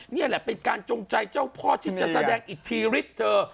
นี่แหละเป็นการจงใจเจ้าพ่อที่จะแสดงอิทธิฤทธิ์เธอ